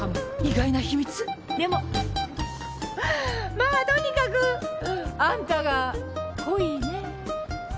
まあとにかくあんたが恋ねえ。